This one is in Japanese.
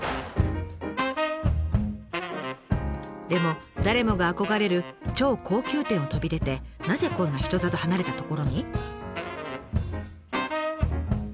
でも誰もが憧れる超高級店を飛び出てなぜこんな人里離れた所に？